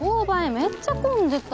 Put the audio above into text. めっちゃ混んでた。